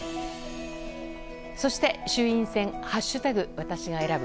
そして、衆院選「＃私が選ぶ」。